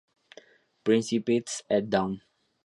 Principis et Dom.